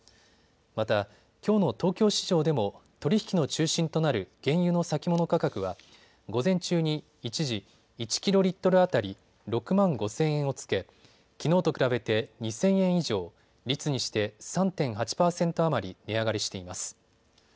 また、きょうの東京市場でも取り引きの中心となる原油の先物価格は午前中に一時、１キロリットル当たり６万５０００円をつけきのうと比べて２０００円以上、率にして３．８％余り値上がりしています。